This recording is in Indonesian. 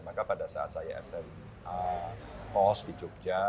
maka pada saat saya sma pos di jogja